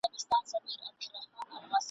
راته وایه ستا به څو وي اولادونه !.